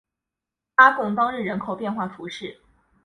阿贡当日人口变化图示